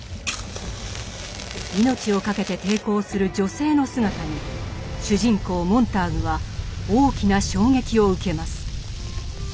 命をかけて抵抗する女性の姿に主人公モンターグは大きな衝撃を受けます。